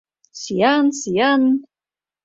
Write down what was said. Сӱан, сӱан...